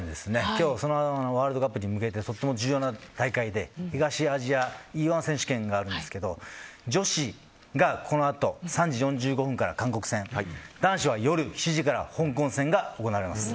今日、ワールドカップに向けてとても重要な大会で東アジアＥ‐１選手権があるんですけど女子がこのあと３時４５分から韓国戦男子は夜７時から香港戦が行われます。